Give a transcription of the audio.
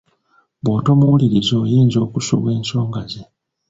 Bw’otomuwuliriza oyinza okusubwa ensonga ze.